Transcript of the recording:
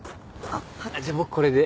じゃ僕これで。